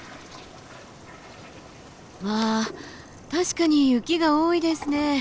あ確かに雪が多いですね。